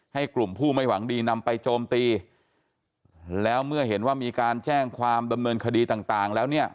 ให้กลุ่มผู้ไม่หวังดีนำไปโจมตีแล้วเมื่อเห็นว่ามีการแจ้งความดำเนินคดีต่างต่างแล้วเนี่ย